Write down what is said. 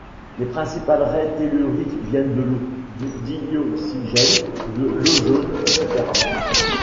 Les principales raies telluriques viennent de l'eau, du dioxygène, de l'ozone, etc.